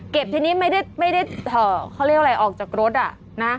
ทีนี้ไม่ได้เขาเรียกอะไรออกจากรถอ่ะนะ